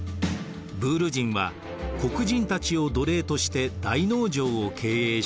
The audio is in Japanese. ブール人は黒人たちを奴隷として大農場を経営しました。